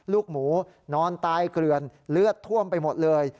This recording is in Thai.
ลูกหมูนอนตายเกลือนเลือดท่วมไปหมดเลย